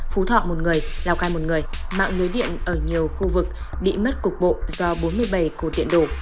phú thọ một người lào cai một người mạng lưới điện ở nhiều khu vực bị mất cục bộ do bốn mươi bảy cổ điện đổ